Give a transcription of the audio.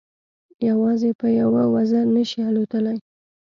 یوازې په یوه وزر نه شي الوتلای.